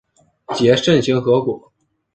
结肾形核果。